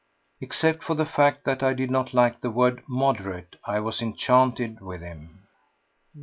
Except for the fact that I did not like the word "moderate," I was enchanted with him.